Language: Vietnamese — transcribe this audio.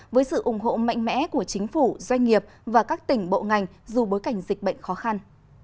với sự ủng hộ mạnh mẽ của chính phủ doanh nghiệp và các tỉnh bộ ngành dù bối cảnh dịch bệnh khó khăn